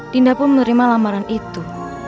dinda pun menerima lamaran itu